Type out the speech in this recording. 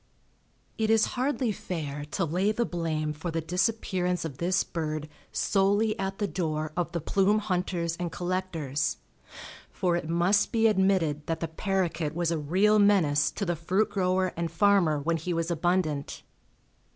It is hardly fair to lay the blame for the disappearance of this bird solely at the door of the plume hunters and collectors, for it must be admitted that the paroquet was a real menace to the fruit grower and farmer when he was abundant.